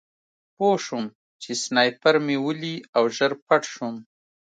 پوه شوم چې سنایپر مې ولي او ژر پټ شوم